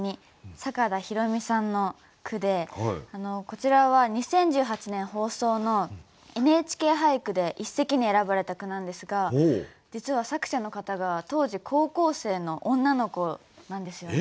坂田裕美さんの句でこちらは２０１８年放送の「ＮＨＫ俳句」で一席に選ばれた句なんですが実は作者の方が当時高校生の女の子なんですよね。